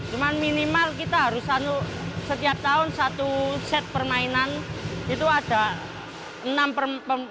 cuman minimal kita harus satu setiap tahun satu set permainan itu ada enam perempuan